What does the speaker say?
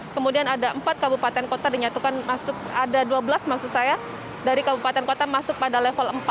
kemudian ada empat kabupaten kota dinyatakan masuk ada dua belas maksud saya dari kabupaten kota masuk pada level empat